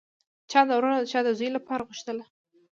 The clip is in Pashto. چا د ورور او چا د زوی لپاره غوښتله